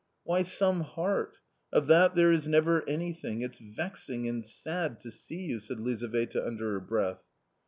" Why, some heart ! of that there is never anything. It's vexing and sad to see you," said Lizaveta under her breath.